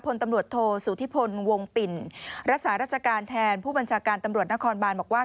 พลตำรวจโทษสุธิพลวงปิ่นรักษาราชการแทนผู้บัญชาการตำรวจนครบานบอกว่า